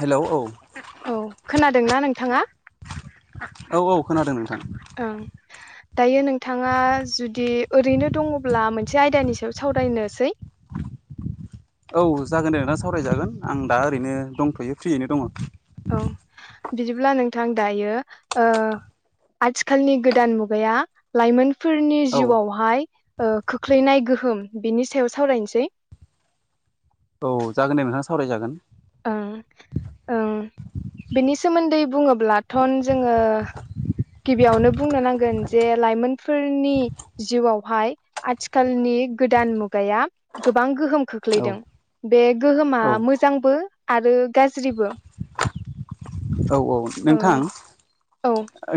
Hello औ औ खोनादोंना नोंथाङा? औ औ खोनादों नोंथां। ओं दायो नोंथाङा जुदि ओरैनो दङब्ला मोनसे आयदानि सायाव सावरायनोसै। [inaudible] औ जागोन दे दा सावरायजागोन आं दा ओरैनो दंथ'यो फ्रियैनो दङ। औ बिदिब्ला नोंथां दायो ओ आथिखालनि गोदान मुगाया लाइमोन फोरनि औ जिउआवहाय ओ खोख्लैनाय गोहोम बिनि सायाव सावरायनोसै। औ जागोन दे नोंथाङा सावरायजागोन। ओं ओं बिनि सोमोन्दै बुङोब्लाथन जोङो गिबियावनो बुंनो नांगोन जे लाइमोनफोरनि जिउआवहाय आथिखालनि गोदान मुगाया गोबां गोहोम औ खोख्लैदों। बे गोहोमा औ मोजांबो आरो गाज्रिबो। औ औ ओ नोंथां औ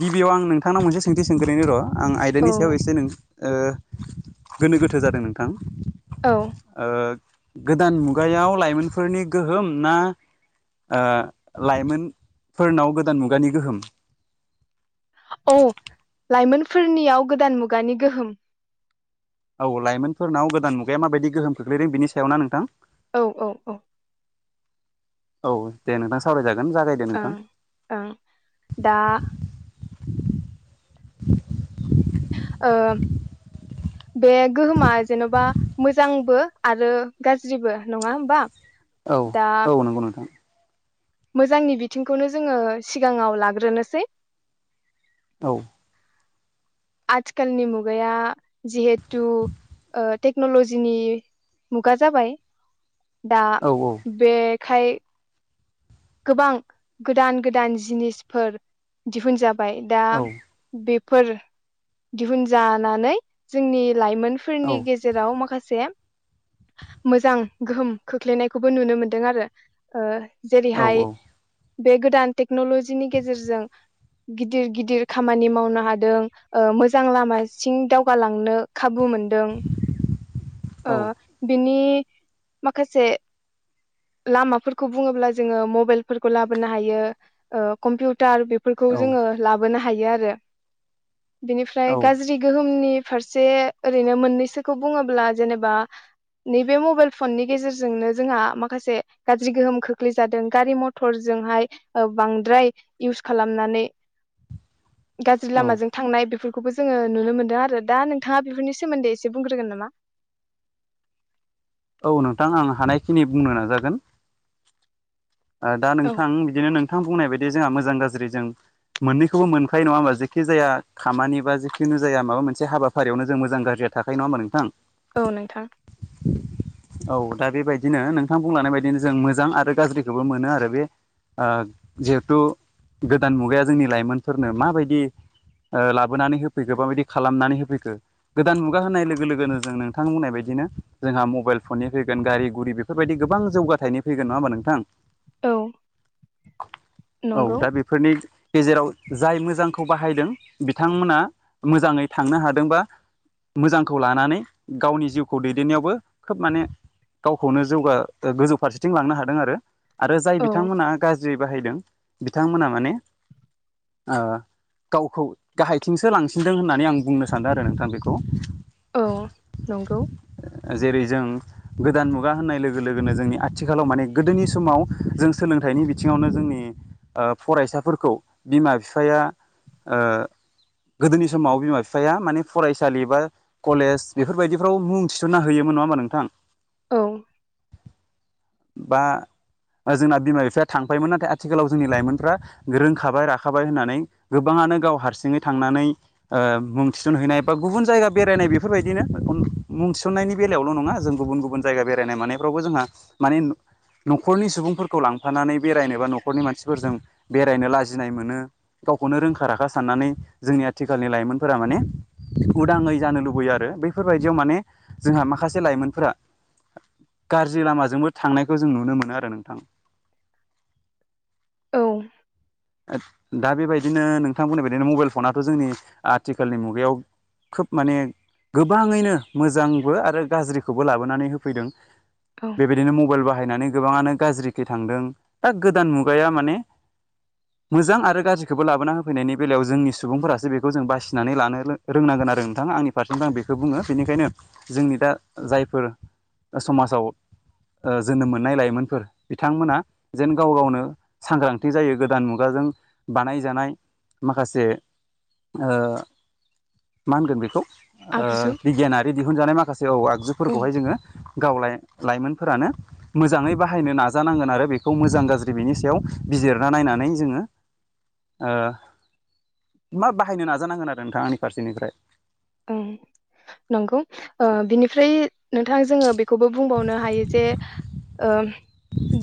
गिबियाव आं नोंथांनाव मोनसे सोंथि सोंग्रोनि र'। आं औ आयदानि सायाव एसे नों-गोनो गोथो जादों नोंथां। औ ओ गोदान मुगायाव लाइमोनफोरनि गोहोम ना ओ लाइमोन फोरनाव गोदान मुगानि गोहोम? औ लाइमोनफोरनियाव गोदान मुगानि गोहोम। औ लाइमोनफोरनाव गोदान मुगाया माबायदि गोहोम खोख्लैदों बिनि सायाव ना नोंथां? औ औ औ औ दे नोंथां सावरायजागोन जागाय दे नोंथां। ओं ओं दा ओ बे गोहोमा जेन'बा मोजांबो आरो गाज्रिबो नङा हबा। औ औ नंगौ नोंथां। मोजांनि बिथिंखौनो जोङो सिगाङाव लाग्रोनोसै। औ आथिखालनि मुगाया जिहेथु ओ टेक्न'लजिनि मुगा जाबाय दा औ बेखाय गोबां गोदान गोदान जिनिसफोर दिहुनजा बाय दा बेफोर दिहुनजानानोय जोंनि लाइमोनफोरनि गेजेराव माखासे मोजां गोहोम खोख्लैनायखौबो नुनो मोनदों आरो ओ जेरैहाय बे गोदान टेक्नलजिनि गेजेरजों गिदिर गिदिर खामानि मावनो हादों ओ मोजां लामासिं दावगालांनो खाबु मोन दों ओ बिनि माखासे लामाफोरखौ बुङोब्ला जोङो मबाइलफोरखौ लाोनो हायो ओ कम्पिउटार बेफोरखौ औ जोङो लाबोनो हायो आरो बिनिफ्राय औ गाज्रि गोहोमनि फारसे ओरैनो मोननैसोखौ बुङोब्ला जेनेबा नैबे मबाइल फननि गेजेरजोंनो जोंहा माखासे गाज्रि गोहोम खो गोख्लै जादों गारि मथरजोंहाय ओ बांद्राय इउस खालामनानै गाज्रि लामाजों थांनाय बेफोर खौबो जोङो नुनो मोनदों आरो दा नोंथाङा बेफोरनि सोमोन्दै एसे बुंग्रोगोन नामा [unintelligible] औ नोंथां आं हानायखिनि बुंनो नाजागोन ओ दा औ नोंथां बिदिनो नोंथां बुंनाय बायदि जोंहा मोजां गाज्रि जों मोननैखौबो मोनखायो नङा होमबा जेखि जाया खामानि बा जिखुनु जाया माबा मोनसे हाबाफारियावनो जों मोजां गाज्रि थाखाय नङामा नोंथां औ नोंथां औ दा बेबायदिनो नोंथां बुंलांनाय बायदिनो जों मोजां ओ जिहेथु गोदान मुगाया जोंनि लाइमोनफोरनो माबायदि ओ लाबोनानै होफैखो माबायदि खालामनानै होफैखो गोदान मुगा होनाय लोगो लोगोनो जों नोंथां बुंनाय बायदिनो जोंहा मबाइल फननि फैगोन गारि गुरि बेफोरबायदि गोबां जौगाथाय फैगोन नङा होमबा नोंथां औ औ नंगौ दा बेफोरनि गेजेराव जाय मोजांखौ बाहायदों बिथांमोना मोजाङै थांनो हादोंबा मोजांखौ लानानै गावनि जिउखौ दैदेननायावबो खोब माने गावखौनो जौगा गोजौ फारसेथिं लांनो हादों आरो आरो जाय औ बिथांमोना गाज्रि बाहायदों बिथांमोना माने ओ गावखौ गाहायथिंसो लांसिनदों होननानै आं बुंनो सानदों आरो नोंथां बेखौ औ नंगौ जेरै जों गोदान मुगा होननाय लोगो लोगोनो जोंनि आथिखालाव माने गोदोनि समाव जों सोलोंथाइनि बिथिङावनो जोंनि ओ फरायसाफोरखौ बिमा बिफाया ओ गोदोनि समाव बिमा बिफाया माने फरायसालि बा कलेज बेफोरबायदिफ्राव मुं थिसनना होयोमो नङा होमबा नोंथां औ बा जोंना बिमा बिफाया थांफायमोन नाथाय आथिखालाव जोंनि लाइमोनफ्रा रोंखाबाय राखाबाय होननानै गोबाङा नो गाव हारसिंङै थांनानै ओ मुं थिसनहैनाय बा गुबुन जायगा बेरायनाय बेफोरबायदिनो मुं थिननायनि बेलायावल नङा जों गुबुन गुबुन जायगा बेरायनाय मानायफ्रावबो जोंहा माने नखरनि सुबुंफोरखौ लांफानानै बेरायनोबा नखरनि मानसिफोरजों बेरायनो लाजिनाय मोनो गावखौनो रोंखा राखा साननानै जोंनि आथिखालनि लाइमोनफोरा माने उदाङै जानो लुबैयो आरो बेफोरबाय बियाव माने जोंहा माखासे लाइमोनफोरा [unintelligible] गाज्रि लामाजोंबो थांनायखौ जों नुनो मोनो आरो नोंथां औ दा बेबायदिनो नोंथांमोननाय बाददिनो मबाइल फनाथ' जोंनि आथिखालनि मुगायाव खोब माने गोबाङैनो मोजांबो आरो गाज्रिखौबो लाबोनानै होफैदों औ बेबायदिनो मबाइल बा बाहायनानै गोबाङानो गाज्रिखै थांदों दा गोदान मुगाया माने मोजां आरो गाज्रिखौबो लाबोना होफैनायनि बेलायाव जोंनि सुबुंफोरासो बेखौ जों बासिनानै लानो रोंनांगोन आरो नोंथाङा आंनि फारसेनिफ्राय आं बेखौ बुङो बेनिखायनो जोंनि दा जायफोर समाजाव जोनोम मोननाय लाइमोनफोर बिथांमोना जेन गाव गावनो सांग्रांथि जायो गोद गोदान मुगाजों बानायजानाय माखासे मा होनगोन बेखौ आगजु बिगियानारि दिहुनजानाय माखासे औ औ आगजुफोरखौहाय जोङो गावलाय लाइमोनफोरानो मोजाङै बाहायनो नाजानांगोन आरो बेखौ मोजां गाज्रि बिनि सायाव बिजिरना नायनानै जोङो मा बाहायनो नाजानांगोन आरो नोंथां आंनि फारसेनिफ्राय नंगौ बिनिफ्राय नोंथाङा जोङो बे बे खौबो बुंबावनो हायो जे ओ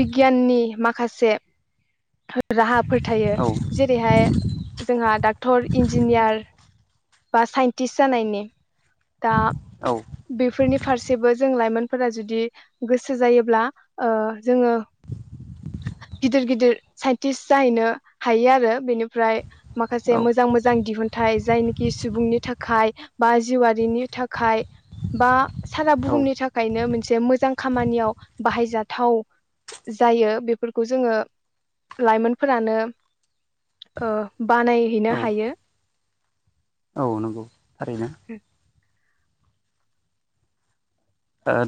बिगियाननि माखासे माखासे राहाफोर थायो औ जेरैहाय जोंहा डक्टर इन्जिनियार बा साइन्टिस्ट जानायनि दा औ बेफोरनि फारसेबो जों लाइमोन फोर जुदि गोसो जायोब्ला जोङो गिदिर गिदिर साइन्टिस्ट जाहैनो हायो आरो बेनिफ्राय माखासे औ मोजां मोजां दिहुनथाइ जायनोखि सुबुंनि थाखाय बा जिउआरारिनि थाखाय बा सारा औ बुहुमनि थाखायनो मोनसे मोजां खामानियाव बाहायजा थाव जायो बेफोरखौ जोङो लाइमोनफोरानो ओ बानायहैनो औ हायो। औ नंगौ थारैनो।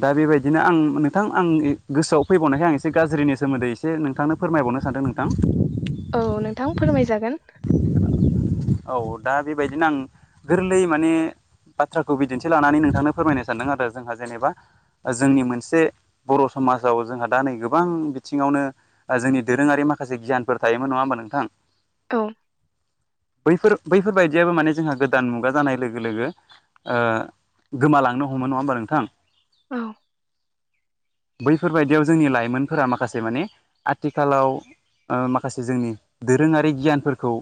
दा बेबायदिनो आं नोंथां आंनि गोसोआव फैबावनायखाय आं एसे गाज्रिनि सोमोन्दै एसे नोंथांनो फोर फोरमायबावनो सानदों नोंथां। औ नोंथां फोरमायजागोन औ दा बेबायदिनो आं गोरलै माने बाथ्राखौ बिदिन्थि लानानै नोंथांनो फोरमायनो सानदों आरो जोंहा जेनेबा जोंनि मोनसे बर' सम समाजाव जोंहा दा नै गोबां बिथिङावनो जोंनि दोरोङारि माखासे गियानफोर थायोमोन नङा होमबा नोंथां? औ। बैफोर बैफोरबायदियाबो माने जोंहा गोदान मुगा जानाय लोगो लोगो गोमालांनो हमो नङा होमबा नोंथां? औ। बैफोरबायदियाव जोंनि लाइमोनफोरा माखासे माने आथिखालाव माखासे जोंनि दोरोङारि गियानफोरखौ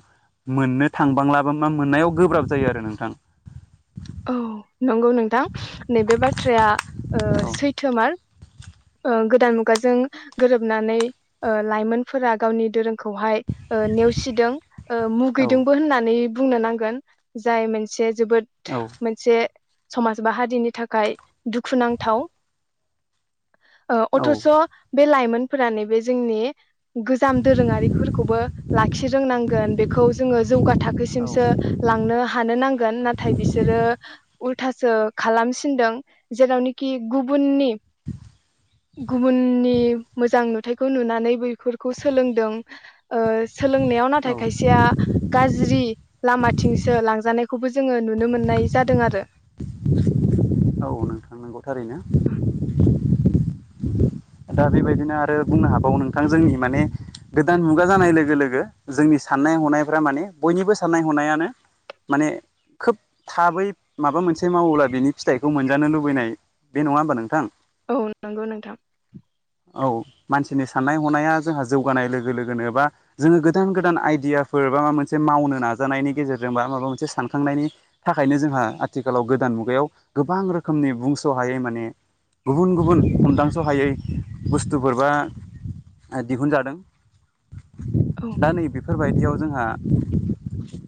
मोननो थांबांलाबो मा मोननायाव गोब्राब जायो आरो नोंथां। औ नंगौ नोंथां नैबे बाथ्राया सैथोमार ओ गोदान मुगाजों गोरोबनानै लाइमोनफोरा गावनि दोरों खौहाय नेवसिदों औ मुगैदोंबो होननानै बुंनो नांगोन जाय मोनसे जोबोद औ मोनसे समाज बा हारिनि थाखाय दुखुनांथाव। औ अथ'स' बे लाइमोनफोरा नैबे जोंनि गोजाम दोरोङारिफोरखौबो लाखि रोंनांगोन बेखौ जोङो जौगा औ थाखोसिमसो लांनो हानो नांगोन नाथाय बिसोरो उल्थासो खालामसिनदों जेरावनोखि गुबुननि गुबुननि मोजां नुथायाइखौ नुनानै बेफोरखौ सोलोंदों। ओ सोलोंनायाव औ नाथाय खायसेया गाज्रि लामाथिंसो लांजानायखौबो जों जोङो नुनो मोननाय जादों आरो। औ नोंथां नंगौ थारैनो। [inaudible] दा बेबायदिनो आरो बुंनो हाबावो नोंथां जोंनि माने गोदान मुगा जानाय लोगो लोगो जोंनि साननाय हनायफ्रा माने बयनिबो साननाय हनायानो माने खोब थाबै माबा मोनसे से मावोब्ला बिनि फिथाइखौ मोनजानो लुबैनाय बे नङा होमबा नोंथां? औ नंगौ नोंथां। औ मानसिनि साननाय हनाया जोंहा जौगानाय लोगो लोगोनो बा जोङो गोदान गोदान आइडियाफोर बा माबा मोनसे मावनो नाजानायनि गेजेरजों बा माबा मोनसे सानखांनायनि थाखायनो जोंहा आथिखाल खालाव गोदान मुगायाव गोबां रोखोमनि बुंस हायै माने गुबुन गुबुन हदांस हायै बुस्थुफोर बा दिहुनजादों औ दा नै बेफोरबायदियाव जोंहा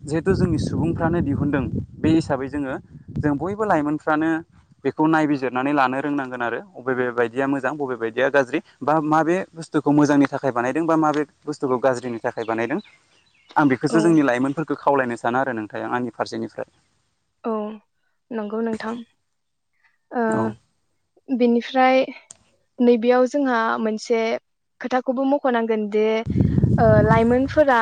जिहेथु जोंनि सुबुंफ्रानो दिहुनदों बे हिसाबै जोङो जों बयबो लाइमोनफ्रानो बेखौ नायबिजिरनानै लानो रोंनांगोन आरो बबे बे बायदिया मोजां बबे बायदिया गाज्रि, बा माबे बुस्थुखौ मोजांनि थाखाय बानायदों बा माबे बुस्थुखौ गाज्रिनि थाखाय बानायदों? आं बेखौसो जोंनि औ लाइमोनफोरखौ खावलायनो सानो आरो नोंथां आं आंनि फारसेनिफ्राय औ नंगौ नोंथां, ओ औ बिनिफ्राय नैबेयाव जोंहा मोनसे खोथाखौबो मख नांगोन जे लाइमोनफोरा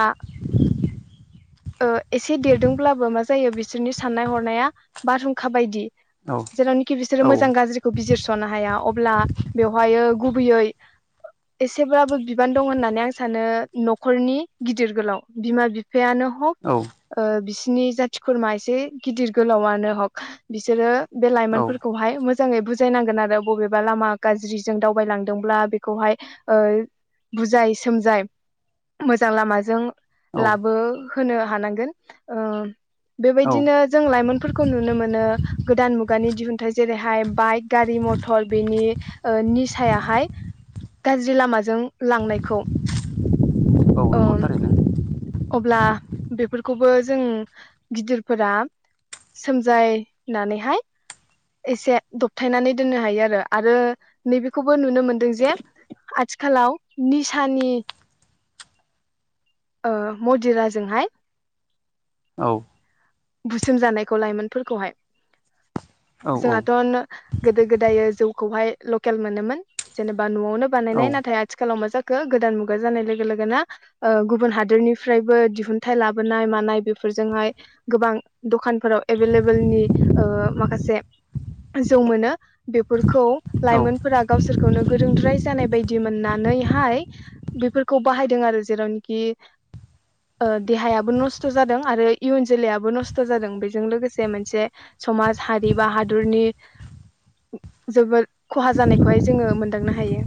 ओ एसे देरदोंब्लाबो मा जायो बिसोरनि साननाय हनाया बारहुंखा बायदि औ जेरावनोखि बिसोरो औ मोजां गाज्रिखौ बिजिरसनो हाया अब्ला बेवहायो गुबुबैयै एसेब्लाबो बिबान दं होननानै आं सानो नखरनि गिदिर गोलाव बिमा बिफ बिफा यानो हक बिसिनि जाथि खुरमा एसे गिदिर गोलावनो हक बिसोरो बे लाइमोनफोरखौहाय मो जाङै बुजायनांगोन आरो बबेबा लामा गाज्रिजों दावबायलांदोंब्ला बेखौ हाय ओ बुजाय सोमजाय मोजां लामाजों औ लाबो होनो हाबनांगोन ओ औ औ बेबादिनो जों लाइमोनफोरखौ नुनो मोनो गोदान मुगानि दिहुनथाइ जेरैहाय बाइक गारि मथर बेनि निसायाहाय गाज्रि लामाजों लांनायखौ औ ओ नंगौ थारैनो अब्ला बेफोरखौबो जों गिदिरफोरा सोमजाय नानैहाय एसे दबथायनानै दोननो हायो आरो आरो नैबेखौबो नुनो मोनदों जे आ थिखालाव निसानि मदिराजोंहाय औ। बुसोम जानायखौ लाइमोनफोरखौहाय औ औ जोंहाथ गोदो गोदाय जौखौहाय लकेल मोनोमोन जेनेबा नआवनो औ बानायनाय आथिालाव मा जो गोदान मुुगा जानाय लोगोन गुब हा दोरनिफ्रायबो दिहुनथाइ लाबोनाय मानाय बेफोरजोंहाय गोबां दखानफोराव एबेल एबेल माखासे जौ मोनो बेफोरखौ औ लाइमोनफोरा गावसोरखौनो गोरोंद्राय जानाय बायदि मोननानैहाय बेफोरखौ बाहायदों आरो जेरावनोखि देहायाबो नस्थ जादों आरो इयुन जोलैयाबो नस्थ जादों बेजों लोगोसे मोनसे समाजनि हारि बा हादरनि जोबोद खहा जानायखौहाय जोङो मोनदांनो हायो।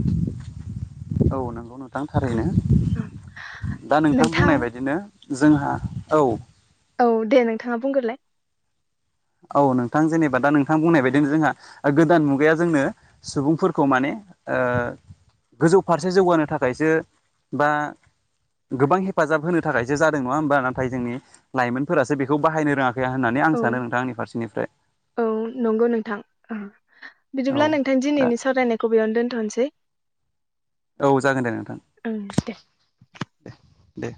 औ नंगौ नोंथां थारैनो दा नोंथां बुंनाय बायदिनो जोंहा औ। औ दे नोंथाङा बुंग्रोलाय। औ नोंथां जेनेबा दा नोंथां बुंनाय बायदों जोंहा ओ गोदान मुगाया जोंनो सुबुंफोरखौ माने ओ गोजौ फारसे जौगानो थाखायसो बा गोबां हेफाजाब होनो थाखायसो जादों नङा होमबा नाथाय जोंनि लाइमोनफोरासो बेखौ बाहायनो रोङाखै। गैया होननानै आं औ सानो नोंथां आंनि फारसेनिफ्राय औ नंगौ नोंथां औ बिदिब्ला नोंथां दा दिनैनि सावरायनायखौ बेयावनो दोनथ'नोसै। औ जागोन दे नोंथां। ओं दे दे।